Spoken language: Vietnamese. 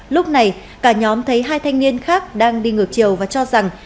lúc này cả nhóm thấy hai thanh niên khác đang đi ngược chiều và cho rằng